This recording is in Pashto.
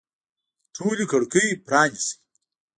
ټولي کړکۍ پرانیزئ